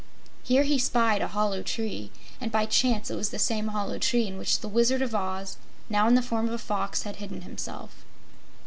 Here he spied a hollow tree, and by chance it was the same hollow tree in which the Wizard of Oz, now in the form of a Fox, had hidden himself.